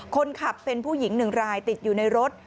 คนขับเป็นผู้หญิง๑รายติดอยู่ในรถ